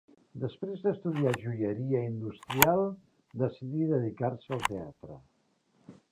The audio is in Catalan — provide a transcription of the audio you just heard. Després d'estudiar joieria industrial, decidí dedicar-se al teatre.